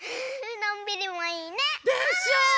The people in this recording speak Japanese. のんびりもいいね。でしょ？